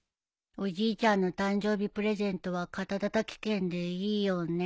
おじいちゃんの誕生日プレゼントは肩たたき券でいいよね。